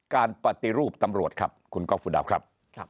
การปฏิรูปตำรวจครับคุณก๊อฟฟุดาวครับ